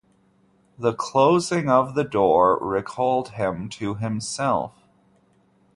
The closing of the door recalled him to himself.